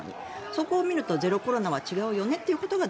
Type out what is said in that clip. そこを見るとゼロコロナは違うよねというのが